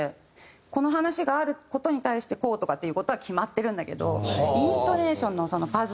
この話がある事に対してこうとかっていう事は決まってるんだけど。